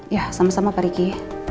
ya sama sama pak riki